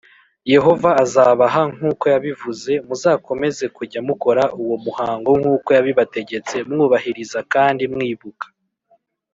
Yehova azabaha nk uko yabivuze muzakomeze kujya mukora uwo muhango nkuko yabibategetse mwubahiriza kandi mwibuka